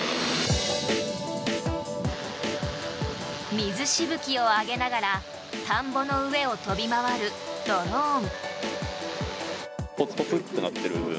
水しぶきを上げながら田んぼの上を飛び回るドローン。